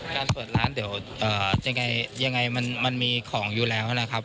การเปิดร้านเดี๋ยวยังไงยังไงมันมันมีของอยู่แล้วนะครับ